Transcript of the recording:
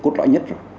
cốt lõi nhất rồi